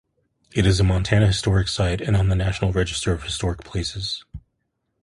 It is a Montana Historic Site and on the National Register of Historic Places.